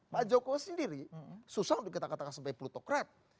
pak jokowi sendiri susah untuk kita katakan sebagai plutokret